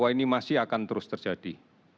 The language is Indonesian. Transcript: dan ini masih akan terus terjadi